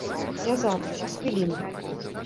Я зараз, праз хвіліну.